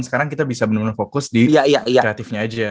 sekarang kita bisa bener bener fokus di kreatifnya aja